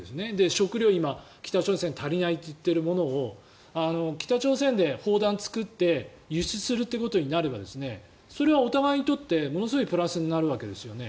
食糧、今、北朝鮮は足りないといっているものを北朝鮮で砲弾を作って輸出することになればそれはお互いにとってものすごいプラスになるわけですよね。